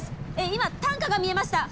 今担架が見えました。